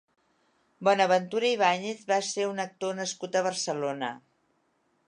Bonaventura Ibáñez va ser un actor nascut a Barcelona.